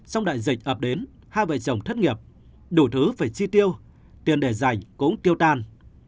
sau đại dịch ập đến hai vợ chồng thất nghiệp đủ thứ phải chi tiêu tiền để giành cũng tiêu tan